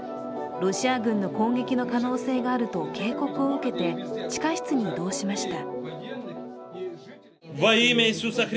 ロシア軍の攻撃の可能性があると警告を受けて地下室に移動しました。